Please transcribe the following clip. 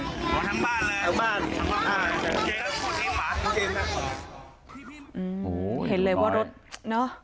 ผู้ถิ่นหมดเลยทำบ้านแล้วถึงเกมนะคุณเห็นเลยว่ารถเนาะ